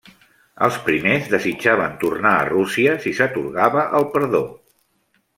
Els primers desitjaven tornar a Rússia si s'atorgava el perdó.